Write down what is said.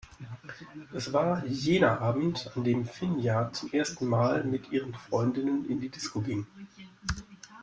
Es war jener Abend, an dem Finja zum ersten Mal mit ihren Freundinnen in die Disco ging.